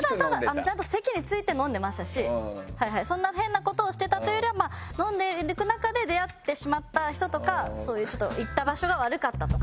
ちゃんと席について飲んでましたしそんな変な事をしてたというよりは飲んでいく中で出会ってしまった人とかそういうちょっと行った場所が悪かったとか。